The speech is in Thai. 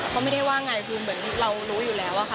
เขาไม่ได้ว่าไงคือเหมือนเรารู้อยู่แล้วอะค่ะ